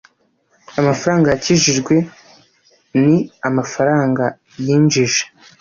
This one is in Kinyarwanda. amafaranga yakijijwe ni amafaranga yinjije -.